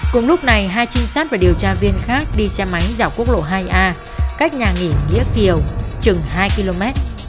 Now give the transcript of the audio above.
cùng lúc này hai trinh sát và điều tra viên khác đi xe máy dọc quốc lộ hai a cách nhà nghỉ nghĩa kiều chừng hai km